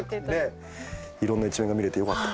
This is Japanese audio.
いろんな一面が見れてよかったと。